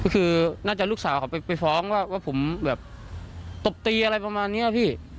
คือน่าจะลูกสาวเขาไปฟ้องว่าผมแบบตบตีอะไรประมาณนี้ครับพี่